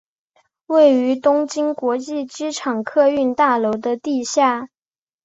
位于东京国际机场客运大楼的地下。